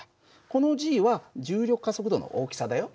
このは重力加速度の大きさだよ。